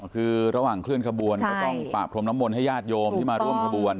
คือระหว่างเคลื่อนขบวนก็ต้องปะพรมน้ำมนต์ให้ญาติโยมที่มาร่วมขบวน